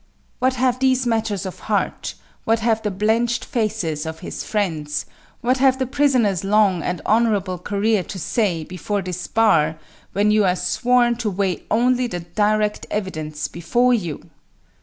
What have these matters of heart, what have the blenched faces of his friends, what have the prisoner's long and honorable career to say before this bar when you are sworn to weigh only the direct evidence before you?